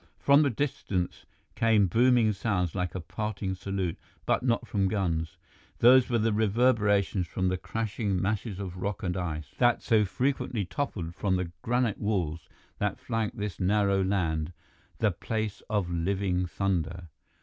From the distance came booming sounds like a parting salute, but not from guns. Those were the reverberations from the crashing masses of rock and ice that so frequently toppled from the granite walls that flanked this narrow land, the Place of Living Thunder.